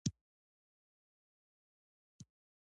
موږ د هویت پر بحثونو ځان نه تباه کړو.